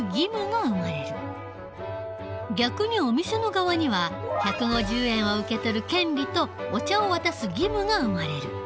逆にお店の側には１５０円を受けとる権利とお茶を渡す義務が生まれる。